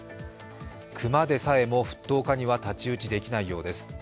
熊でさえも沸騰化には太刀打ちできないようです。